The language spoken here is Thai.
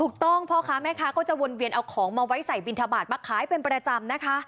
พ่อค้าแม่ค้าก็จะวนเวียนเอาของมาไว้ใส่บินทบาทมาขายเป็นประจำนะคะ